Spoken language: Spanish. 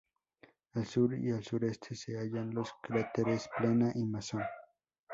Al sur y al sureste se hallan los cráteres Plana y Mason.